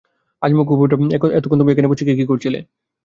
আচ্ছা মুখুজ্যেমশায়, এতক্ষণ তুমি এখানে বসে বসে কী করছিলে?